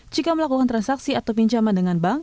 jika melakukan transaksi atau pinjaman dengan bank